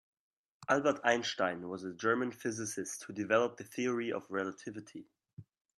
Albert Einstein was a German physicist who developed the Theory of Relativity.